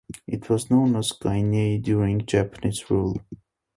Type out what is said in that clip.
It was known as "Kainei" during Japanese rule.